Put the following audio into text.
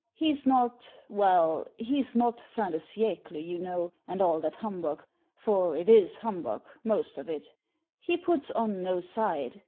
He's not — well, he's not fin de siecky you know, and all that humbug ; for it is humbug, most of it He puts on no side.